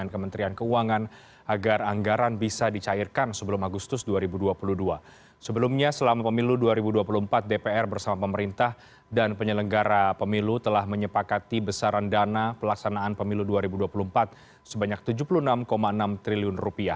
sebelumnya selama pemilu dua ribu dua puluh empat dpr bersama pemerintah dan penyelenggara pemilu telah menyepakati besaran dana pelaksanaan pemilu dua ribu dua puluh empat sebanyak rp tujuh puluh enam enam triliun